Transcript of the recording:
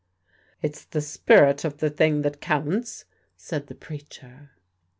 "It's the spirit of the thing that counts," said the preacher.